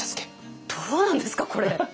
どうなんですかこれ！